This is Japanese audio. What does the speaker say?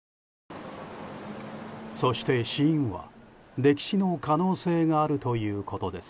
そして死因は、溺死の可能性があるということです。